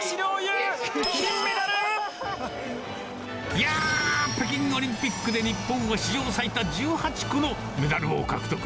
いやー、北京オリンピックで日本を史上最多１８個のメダルを獲得。